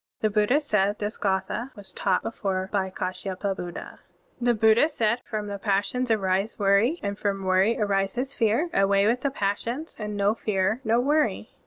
The Buddha said, this githi was taught before by KSshyapabuddha. (32) The Buddha said: "From the passions arise worry, and from worry arises fear. Away with the passions, and no fear, no worry.